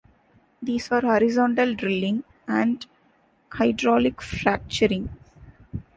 These are horizontal drilling, and hydraulic fracturing.